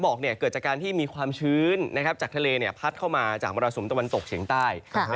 เกิดจากการที่มีความชื้นจากทะเลพัดเข้ามาจากมรสุมตะวันตกเฉียงใต้